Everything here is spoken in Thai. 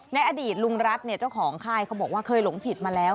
ในอดีตลุงรัฐเนี่ยเจ้าของค่ายเขาบอกว่าเคยหลงผิดมาแล้ว